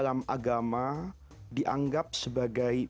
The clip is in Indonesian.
sampai jumpa di web live topic walidaya